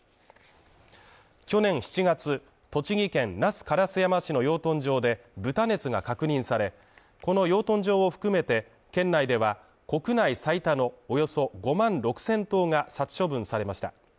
去年７月、栃木県那須烏山市の養豚場で豚熱が確認され、この養豚場を含めて県内では、国内最多のおよそ５万６０００頭が殺処分されました。